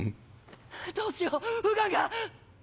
⁉どうしようフガンが！